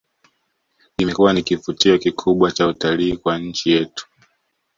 Imekuwa ni kivutio kikubwa cha utalii kwa nchi yetu